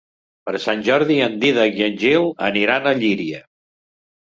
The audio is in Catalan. Per Sant Jordi en Dídac i en Gil aniran a Llíria.